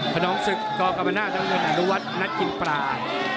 คณองศึกก่อกลับมาหน้าจังหว่านุวัตรนัดกินปลา